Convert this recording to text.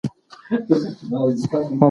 تاریخي اړیکه د پوهې د پراخولو لامل کیږي.